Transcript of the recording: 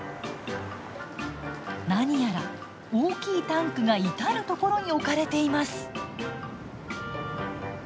何やら大きいタンクが至る所に置かれています。